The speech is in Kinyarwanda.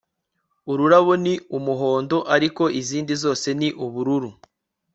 ururabo ni umuhondo, ariko izindi zose ni ubururu